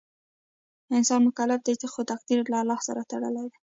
انسان مکلف دی خو تقدیر له الله سره تړلی دی.